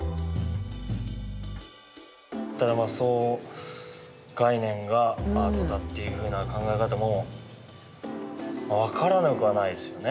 ただまあそう概念がアートだっていうふうな考え方も分からなくはないですよね。